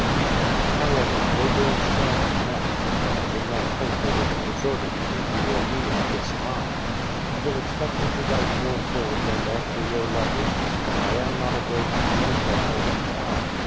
However, your bills shall be met ; but I did not think they would have deserted either you or me at this time. ... You will expect me to write more fully and answer your letters, but I am not a day each week at home in town.